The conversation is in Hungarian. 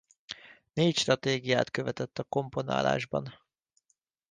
Négy stratégiát követett a komponálásban.